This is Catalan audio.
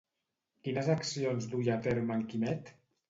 Quines accions duia a terme en Quimet?